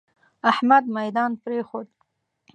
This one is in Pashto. احمد ميدان پرېښود.